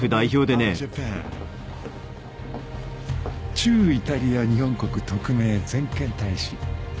・駐イタリア日本国特命全権大使石塚武夫です。